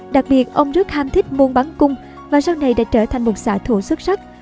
đặc biệt ông rất ham thích môn bắn cung và sau này đã trở thành một xã thủ xuất sắc